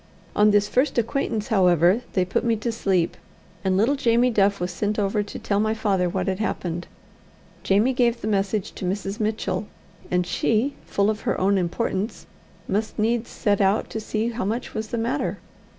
On this first acquaintance, however, they put me to sleep; and little Jamie Duff was sent over to tell my father what had happened. Jamie gave the message to Mrs. Mitchell, and she, full of her own importance, must needs set out to see how much was the matter.